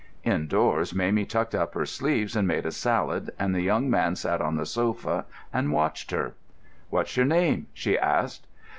Indoors, Mamie tucked up her sleeves and made a salad, and the young man sat on the sofa and watched her. "What's your name?" she asked.